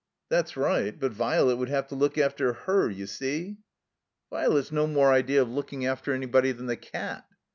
"That's right. But Virelet would have to look after her, you see." "Vi'let's no more idea of looking after anybody than the cat."